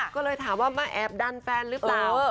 ก็เลยถามว่ามาแอบดันแฟนหรือเปล่า